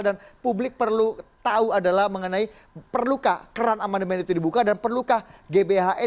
dan publik perlu tahu adalah mengenai perluka kran amandemen itu dibuka dan perlukah gbhn